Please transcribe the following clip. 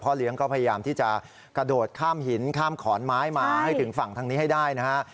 เลี้ยงก็พยายามที่จะกระโดดข้ามหินข้ามขอนไม้มาให้ถึงฝั่งทางนี้ให้ได้นะฮะ